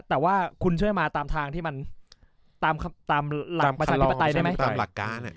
แต่ว่าคุณช่วยมาตามทางที่มันตามหลักประชาธิปไตยได้ไหมตามหลักการ